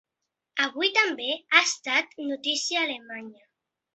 Avui també ha estat notícia Alemanya.